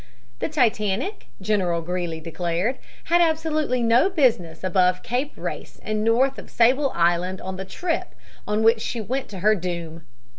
The Titanic, General Greely declared, had absolutely no business above Cape Race and north of Sable Island on the trip on which she went to her doom.